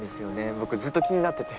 僕ずっと気になってて。